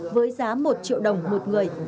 với giá một triệu đồng một người